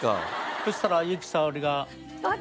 そしたら由紀さおりが。